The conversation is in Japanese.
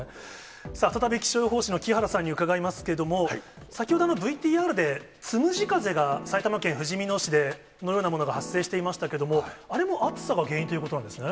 さあ、再び気象予報士の木原さんに伺いますけども、先ほど、ＶＴＲでつむじ風が埼玉県ふじみ野市で、のようなものが発生していましたけれども、あれも暑さが原因ということなんですね。